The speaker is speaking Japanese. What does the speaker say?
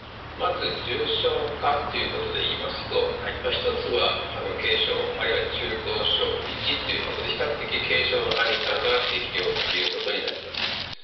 まず重症化ということで言いますと、１つは軽症、あるいは中等症の１ということで、比較的軽症の患者さんが適用ということになります。